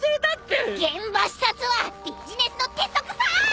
現場視察はビジネスの鉄則さ！